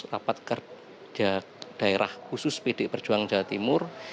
rapat daerah khusus pdip perjuangan jawa timur